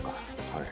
はい。